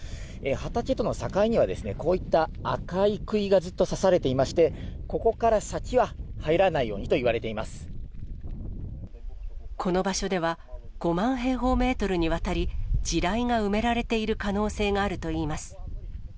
畑との境には、こういった赤いくいがずっとさされていまして、ここから先は入らこの場所では、５万平方メートルにわたり、地雷が埋められている可能性があるといいます。